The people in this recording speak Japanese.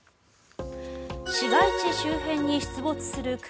市街地周辺に出没する熊